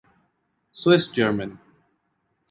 Swiss German